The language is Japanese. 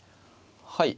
はい。